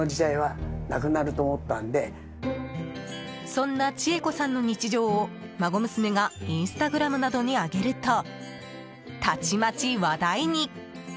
そんな千恵子さんの日常を孫娘がインスタグラムなどに上げるとたちまち話題に！